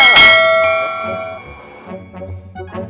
sumpah aneh kagak nabrak tam